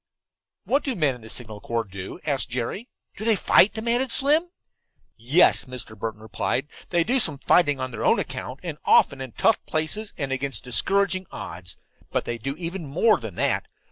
"What do men in the Signal Corps do?" asked Jerry. "Do they fight?" demanded Slim. "Yes," Mr. Burton replied, "they do some fighting on their own account, and often in tough places and against discouraging odds. But they do even more than that.